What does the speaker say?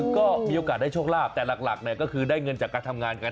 ก็มีโอกาสได้โชคลาภแต่หลักก็คือได้เงินจากการทำงานกัน